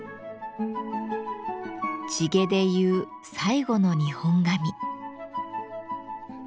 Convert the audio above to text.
地毛で結う最後の日本髪。